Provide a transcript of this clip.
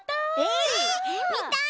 みたい！